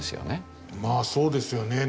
まあそうですよね。